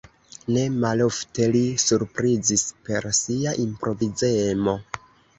Ne malofte li surprizis per sia improvizemo.